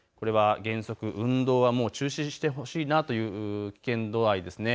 原則、運動は中止してほしいという危険度合いです。